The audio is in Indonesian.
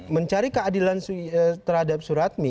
mencari keadilan terhadap surat mi